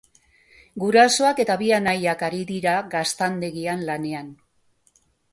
Gurasoak eta bi anaiak ari dira gaztandegian lanean.